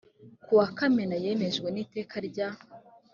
ku wa kamena yemejwe n iteka rya